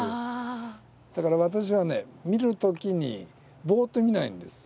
だから私はね見るときにぼっと見ないんです。